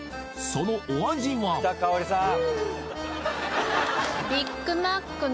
そのお味はうん！